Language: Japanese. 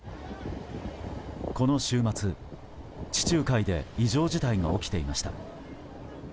この週末、地中海で異常事態が起きていました。